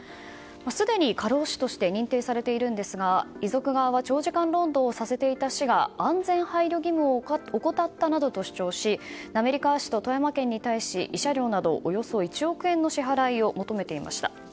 すでに過労死として認定されているんですが遺族側は長時間労働をさせていた市が安全配慮義務を怠ったなどと主張し滑川氏と富山県に対し慰謝料などおよそ１億円の支払いを求めていました。